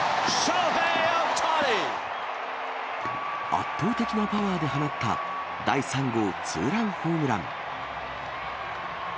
圧倒的なパワーで放った、第３号ツーランホームラン。